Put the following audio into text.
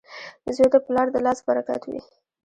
• زوی د پلار د لاس برکت وي.